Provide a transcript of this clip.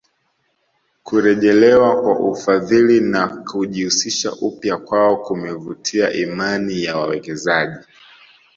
Kurejelewa kwa ufadhili na kujihusisha upya kwao kumevutia imani ya wawekezaji